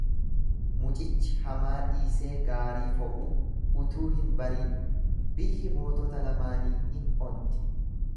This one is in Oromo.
Mucichi hamaa dhiisee gaarii fo'uu utuu hin barin biyyi mootota lamaanii in onti.